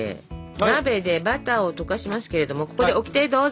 鍋でバターを溶かしますけれどもここでオキテどうぞ！